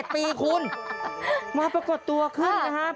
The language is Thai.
๑๕๗ปีคุณมาประกอบตัวขึ้นนะครับอีกทีสิ